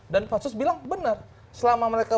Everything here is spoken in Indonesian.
dan pansus bilang benar selama mereka